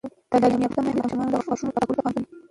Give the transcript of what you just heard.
تعلیم یافته میندې د ماشومانو د غاښونو پاکوالي ته پام کوي.